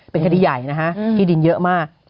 เป็นคดีใหญ่นะฮะที่ดินเยอะมาก